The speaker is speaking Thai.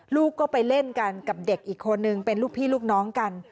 ลูกก็ไปเล่นกันกับเด็กอีกคนนึงเป็นลูกพี่ลูกน้องกัน